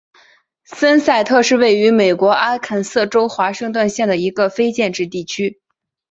森塞特是位于美国阿肯色州华盛顿县的一个非建制地区。